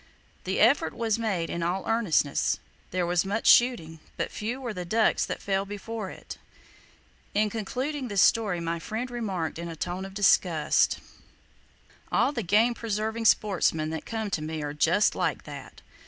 The effort was made in all earnestness. There was much shooting, but few were the ducks that fell before it. In concluding this story my friend remarked in a tone of disgust: "All the game preserving sportsmen that come to me are just like that!